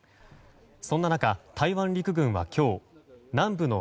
そんな中、台湾陸軍は今日、南部の屏